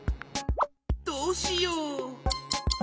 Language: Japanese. どうしよう？